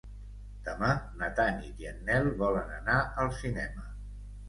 Demà na Tanit i en Nel volen anar al cinema.